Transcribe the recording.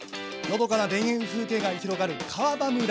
のどかな田園風景が広がる川場村。